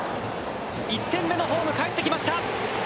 １点目のホーム、帰ってきました。